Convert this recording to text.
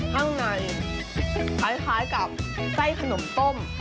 ข้างในคล้ายกับไส้ขนมต้ม